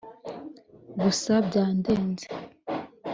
gusa byandeze